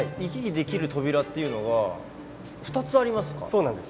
そうなんです。